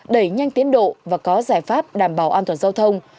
đẩy nhanh tiến độ và có giải pháp đảm bảo an toàn giao thông